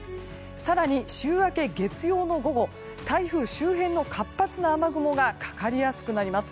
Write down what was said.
更に週明け月曜の午後台風周辺の活発な雨雲がかかりやすくなります。